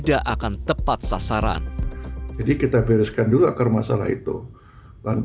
akan tepat sasaran